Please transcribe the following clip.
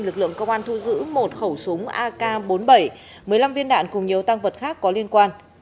lực lượng công an thu giữ một khẩu súng ak bốn mươi bảy một mươi năm viên đạn cùng nhiều tăng vật khác có liên quan